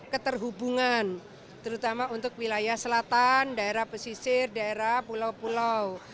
keterhubungan terutama untuk wilayah selatan daerah pesisir daerah pulau pulau